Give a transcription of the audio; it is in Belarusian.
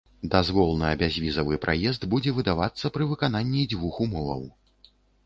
Дазвол на бязвізавы праезд будзе выдавацца пры выкананні дзвюх умоваў.